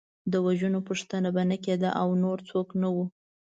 د وژنو پوښتنه به نه کېده او نور څوک نه وو.